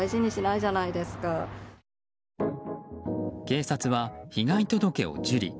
警察は被害届を受理。